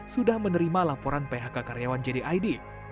sudah menerima laporan phk karyawan jdid